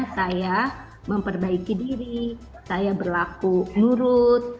saya memperbaiki diri saya berlaku nurut